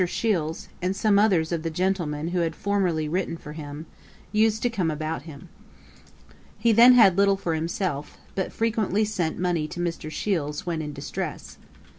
Shiels, and some others of the gentlemen who had formerly written for him, used to come about him. He had then little for himself, but frequently sent money to Mr. Shiels when in distress.